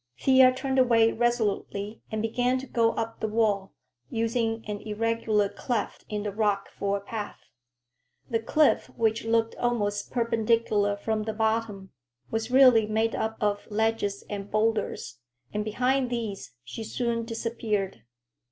Thea turned away resolutely and began to go up the wall, using an irregular cleft in the rock for a path. The cliff, which looked almost perpendicular from the bottom, was really made up of ledges and boulders, and behind these she soon disappeared.